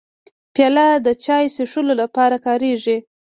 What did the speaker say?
پیاله د چای څښلو لپاره کارېږي.